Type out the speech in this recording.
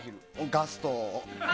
ガスト。